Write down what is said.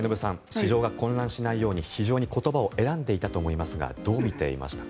市場が混乱しないように非常に言葉を選んでいたと思いますがどう見ていましたか。